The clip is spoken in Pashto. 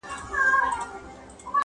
چي په ښار او په مالت کي څه تیریږي-!